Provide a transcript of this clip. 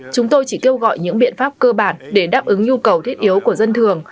chúng tôi chỉ kêu gọi những biện pháp cơ bản để đáp ứng nhu cầu thiết yếu của dân thường